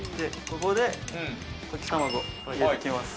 ここで溶き卵入れていきます